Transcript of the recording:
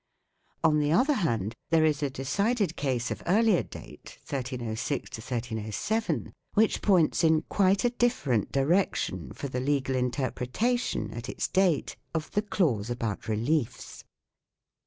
On the other hand, there is a decided case of earlier date (1306 1307) which points in quite a different direction for the legal interpretation, at its date, of the clause about reliefs.